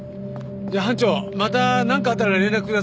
じゃあ班長またなんかあったら連絡ください。